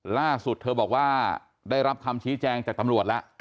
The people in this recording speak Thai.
ล่าสุดเธอบอกว่าได้รับคำชี้แจงจากตำรวจแล้ว